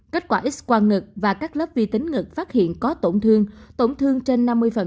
kết quả x quang ngực và các lớp vi tính ngực phát hiện có tổn thương tổn thương trên năm mươi